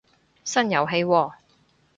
新遊戲喎